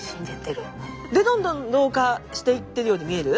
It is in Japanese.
でどんどん老化していってるように見える。